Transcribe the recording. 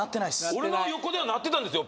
俺の横では鳴ってたんですよ